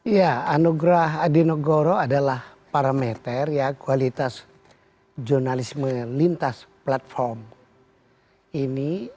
ya anugerah adi negoro adalah parameter ya kualitas jurnalisme lintas platform ini